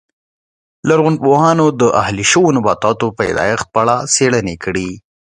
لرغونپوهانو د اهلي شویو نباتاتو پیدایښت په اړه څېړنې کړې